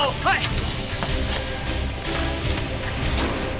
はい！